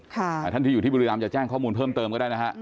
ท่านที่อยู่ที่บุรีรำจะแจ้งข้อมูลเพิ่มเติมก็ได้นะฮะ